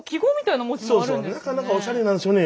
なかなかおしゃれなんですよね。